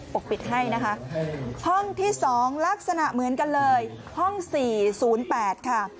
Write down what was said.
กปิดให้นะคะห้องที่๒ลักษณะเหมือนกันเลยห้อง๔๐๘ค่ะ